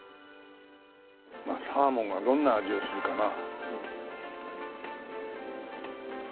サーモンがどんな味をするかな？